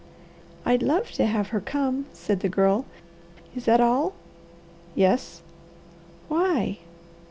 "I'd love to have her come," said the Girl. "Is that all?" "Yes." "Why?"